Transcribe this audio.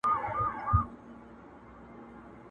ورانوي هره څپه یې د مړو د بګړۍ ولونه،،!